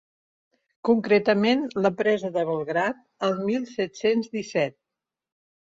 Concretament la presa de Belgrad, el mil set-cents disset.